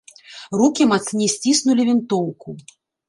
Рукі мацней сціснулі вінтоўку.